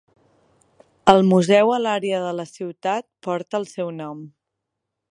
El museu a l'àrea de la ciutat porta el seu nom.